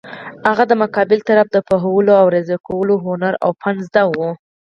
هغه د مقابل طرف د پوهولو او راضي کولو هنر او فن زده وو.